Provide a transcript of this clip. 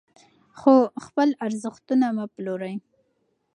خو خپل ارزښتونه مه پلورئ.